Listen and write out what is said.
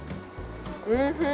おいしい。